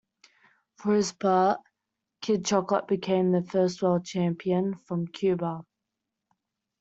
For his part, "Kid Chocolate" became the first world champion from Cuba.